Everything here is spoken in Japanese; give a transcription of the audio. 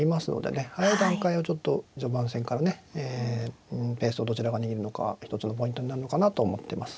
早い段階をちょっと序盤戦からねペースをどちらが握るのか一つのポイントになるのかなと思ってます。